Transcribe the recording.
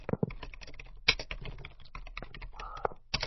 আমি তখন চুপ করে রইলুম।